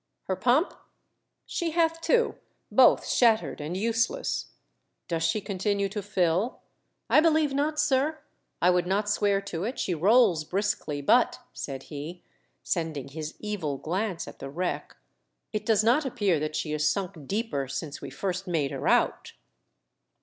" Her pump ?"" She hath two — both shattered and useless." " Does she continue to fill ?"I believe not, sir ; I would not swear to it ; she rolls briskly, but," said he, sending his evil glance at the wreck, "it does not 300 TIIF. DEATH SHIP. appear that she is sunk deeper since we first made her out."